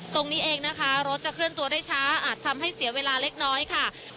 ตรงนี้เองนะคะรถจะเคลื่อนตัวได้ช้าอาจทำให้เสียเวลาเล็กน้อยค่ะ